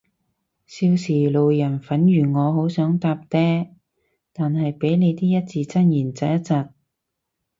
少時路人粉如我好想搭嗲，但係被你啲一字真言疾一疾